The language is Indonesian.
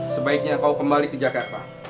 sebaiknya kau kembali ke jakarta